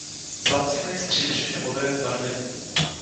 Samci mají stříbřitě modré zbarvení.